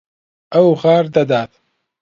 ئەو غار دەدات.